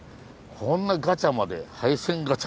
こんなガチャまで廃線ガチャ。